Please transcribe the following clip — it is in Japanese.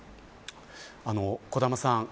小玉さん